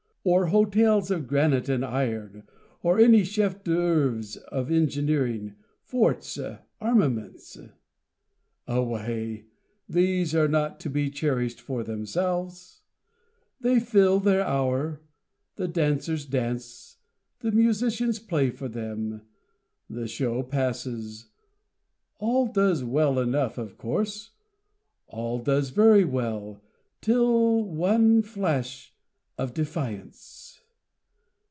Or hotels of granite and iron? or any chef d'oeuvres of engineering, forts, armaments? Away! these are not to be cherish'd for themselves, They fill their hour, the dancers dance, the musicians play for them, The show passes, all does well enough of course, All does very well till one flash of defiance.